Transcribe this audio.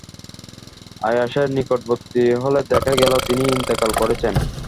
আইয়াসের নিকটবর্তী হলে দেখা গেল তিনি ইন্তেকাল করেছেন।